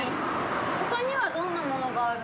他にはどんなものがある。